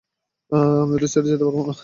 আমি ওদের ছেড়ে যেতে পারব না।